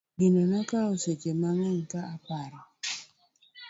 Gino nokawa seche mang'eny ka paro.